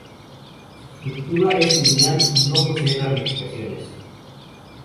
Su estructura es lineal, no posee ramificaciones.